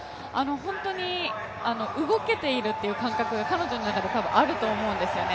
動けているっていう感覚が彼女の中であると思うんですね。